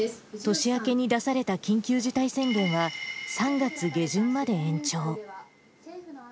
年明けに出された緊急事態宣言は、３月下旬まで延長。